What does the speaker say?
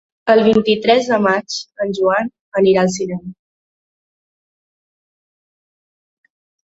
El vint-i-tres de maig en Joan anirà al cinema.